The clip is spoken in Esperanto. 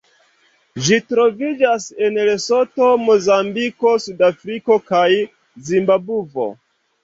Ĝi troviĝas en Lesoto, Mozambiko, Sudafriko kaj Zimbabvo.